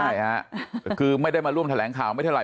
ใช่แหละฮะคือไม่ได้มาร่วมแถลงข่าวไม่ได้ไหร่